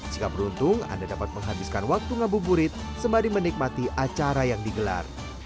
jika beruntung anda dapat menghabiskan waktu ngabuburit sembari menikmati acara yang digelar